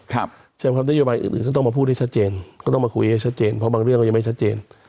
ใช่ไหมครับนโยบายอื่นก็ต้องมาพูดให้ชัดเจนก็ต้องมาคุยให้ชัดเจนเพราะบางเรื่องก็ยังไม่ชัดเจน